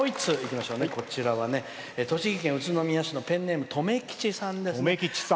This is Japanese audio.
栃木県宇都宮市のペンネーム、とめきちさんです。